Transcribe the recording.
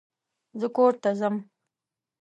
زه کور ته ځم